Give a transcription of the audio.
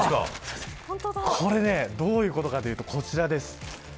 これ、どういうことかというとこちらです。